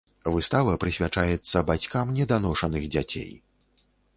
Выстава прысвячаецца бацькам неданошаных дзяцей.